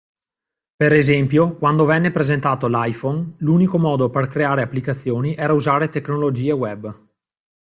Per esempio, quando venne presentato l'iPhone, l'unico modo per creare applicazioni era usare tecnologie web.